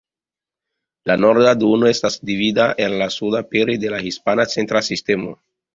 La norda duono estas dividita el la suda pere de la Hispana Centra Sistemo.